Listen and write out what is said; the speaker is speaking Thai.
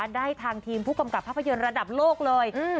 ได้ทางทีมผู้กำกับภาพยนตร์ระดับโลกเลย